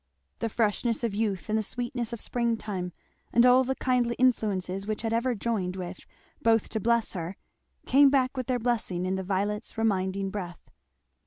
The freshness of youth, and the sweetness of spring time, and all the kindly influences which had ever joined with both to bless her, came back with their blessing in the violets' reminding breath.